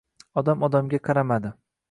Odam odamga qaramadi.